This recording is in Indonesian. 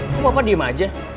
kok bapak diem aja